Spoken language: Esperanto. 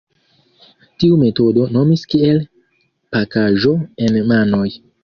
Tiu metodo nomis kiel "Pakaĵo en manoj".